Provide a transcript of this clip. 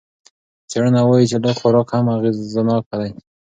څېړنه وايي چې لږ خوراک هم اغېزناکه دی.